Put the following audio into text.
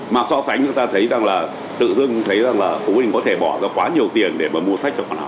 mà so sánh chúng ta thấy rằng là tự dưng thấy rằng là phụ huynh có thể bỏ ra quá nhiều tiền để mà mua sách cho bọn họ